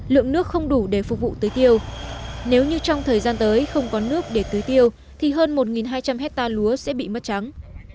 lượng nước không đủ để phục vụ tưới tiêu nếu như trong thời gian tới không có nước để tưới tiêu thì hơn một hai trăm linh hectare lúa sẽ bị mất trắng